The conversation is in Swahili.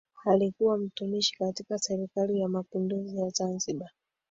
Alikuwa mtumishi katika serikali ya mapinduzi ya Zanzibar